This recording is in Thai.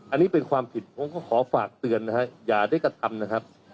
อันนี้เป็นความผิดผมก็ขอฝากเตือนนะฮะอย่าได้กระทำนะครับ